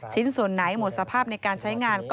ส่วนไหนหมดสภาพในการใช้งาน